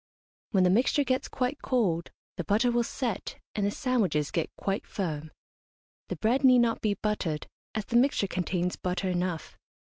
When the mixture gets quite cold, the butter will set and the sandwiches get quite firm. The bread need not be buttered, as the mixture contains butter enough.